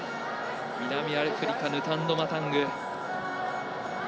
南アフリカのヌタンド・マラング。